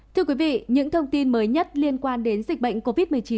thưa quý vị những thông tin mới nhất liên quan đến dịch bệnh covid một mươi chín